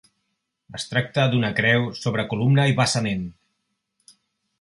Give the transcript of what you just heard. Es tracta d'una creu sobre columna i basament.